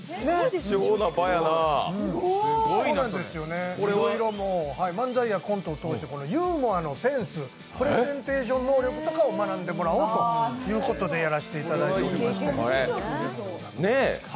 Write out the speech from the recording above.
いろいろ漫才やコントを通してユーモアのセンス、コミュニケーション能力とかを学んでもらおうということで、やらせてもらっています。